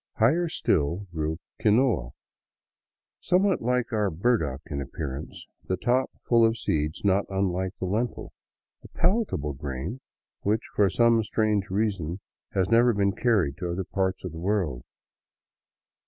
Higher still grew quinoa, somewhat like our burdock in appearance, the top full of seeds not unlike the lentil, — a palatable grain which for some strange reason has never been carried to other parts of the world.